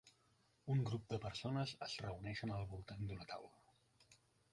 Un grup de persones es reuneixen al voltant d'una taula.